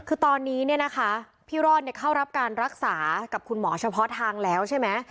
คือตอนนี้เนี่ยนะคะพี่รอดเข้ารับการรักษากับคุณหมอเฉพาะทางแล้วใช่ไหม